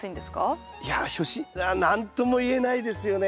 いや初心何とも言えないですよね。